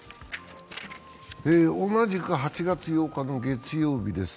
同じく８月８日の月曜日です。